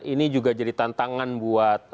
ini juga jadi tantangan buat